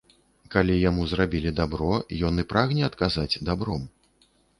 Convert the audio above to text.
Калі яму зрабілі дабро, ён і прагне адказаць дабром.